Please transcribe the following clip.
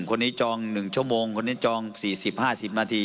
คนนี้จอง๑ชั่วโมงคนนี้จอง๔๐๕๐นาที